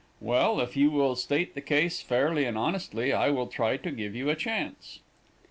"Well, if you will state the case fairly and honestly, I will try to give you a chance."